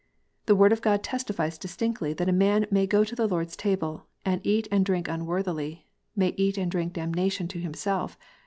The Word of God testifies distinctly that a man may go to the Lord s Table, and " eat and drink unworthily," may " eat and drink damnation to himself."